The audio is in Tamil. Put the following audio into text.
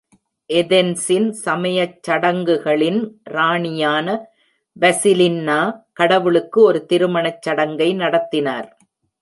ஏதென்ஸின் சமயச் சடங்குகளின் ராணியான பசிலின்னா, கடவுளுக்கு ஒரு திருமணச் சடங்கை நடத்தினார்.